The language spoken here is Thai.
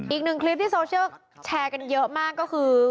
อีกหนึ่งคลิปที่โซเชียลแชร์กันเยอะมากก็คือ